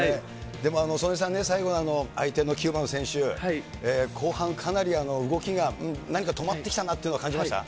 でも、素根さんね、最後の相手のキューバの選手、後半、かなり動きが何か、止まってきたなっていうのは感じました？